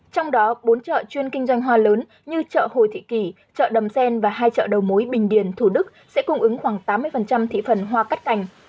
trong đó bốn chợ chuyên kinh doanh hoa lớn như chợ hồ thị kỷ chợ đầm sen và hai chợ đầu mối bình điền thủ đức sẽ cung ứng khoảng tám mươi thị phần hoa cắt cành